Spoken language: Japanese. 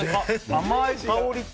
甘い香りと。